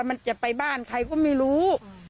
มันจะไปบ้านใครก็ไม่รู้